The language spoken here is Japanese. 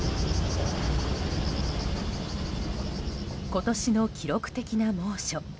今年の記録的な猛暑。